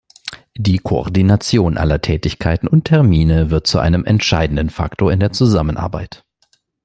Die Koordination aller Tätigkeiten und Termine wird zu einem entscheidenden Faktor in der Zusammenarbeit.